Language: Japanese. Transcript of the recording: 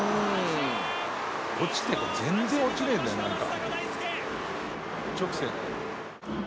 「落ちても全然落ちねえんだよなんか」